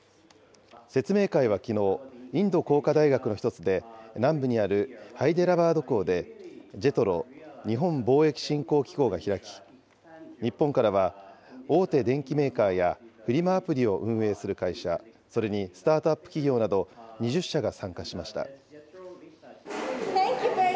説明会はきのう、インド工科大学の一つで、南部にあるハイデラバード校で、ＪＥＴＲＯ・日本貿易振興機構が開き、日本からは大手電機メーカーやフリマアプリを運営する会社、それにスタートアップ企業など、２０社が参加しました。